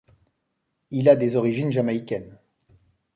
Il a des origines jamaïcaines.